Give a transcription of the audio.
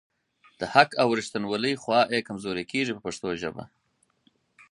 د حق او ریښتیولۍ خوا یې کمزورې کیږي په پښتو ژبه.